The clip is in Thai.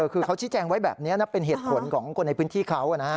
คือเขาชี้แจงไว้แบบนี้นะเป็นเหตุผลของคนในพื้นที่เขา